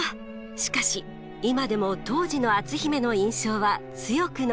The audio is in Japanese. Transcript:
しかし今でも当時の篤姫の印象は強く残っているそうです。